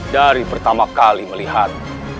dari pertama kali melihat